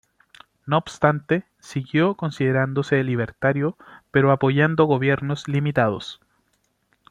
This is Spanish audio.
No obstante siguió considerándose libertario pero apoyando gobiernos limitados.